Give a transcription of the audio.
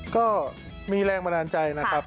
ก็มีแรงบันดาลใจนะครับ